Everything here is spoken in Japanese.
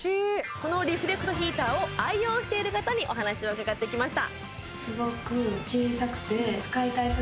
このリフレクトヒーターを愛用している方にお話を伺ってきました